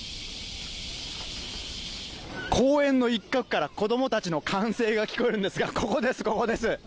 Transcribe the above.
公園の一角から子どもたちの歓声が聞こえるんですが、ここです、ここです。